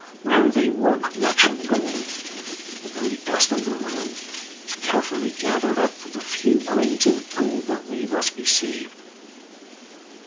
Where they work much in gold the very dust of the room is carefully gathered up for the few grains of gold that may thus be saved.